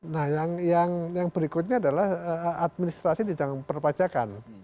nah yang berikutnya adalah administrasi di dalam perpajakan